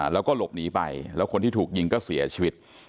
แล้วก็หลบหนีไปแล้วคนที่ถูกยิงก็เสียชีวิต